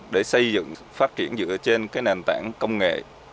để xây dựng phát triển dựa trên cái nền tảng công nghệ